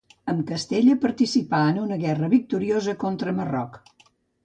Amb Castella participà en una guerra victoriosa contra Marroc.